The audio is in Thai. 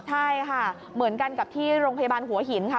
ใช่ค่ะเหมือนกันกับที่โรงพยาบาลหัวหินค่ะ